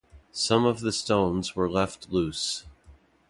Some of the stones were left loose.